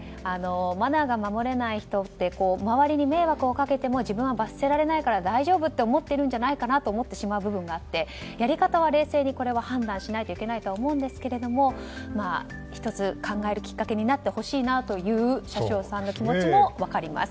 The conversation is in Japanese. マナーが守れない人って周りに迷惑をかけても自分は罰せられないから大丈夫と思っているんじゃないかと思ってしまう部分もあってやり方は冷静に判断しないといけないとは思うんですけど１つ、考えるきっかけになってほしいという車掌さんの気持ちも分かります。